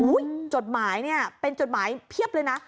จดหมายเนี่ยเป็นจดหมายเพียบเลยนะ